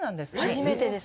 初めてです。